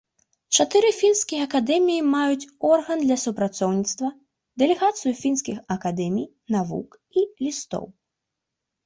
Чатыры фінскія акадэміі маюць орган для супрацоўніцтва, дэлегацыю фінскіх акадэмій навук і лістоў.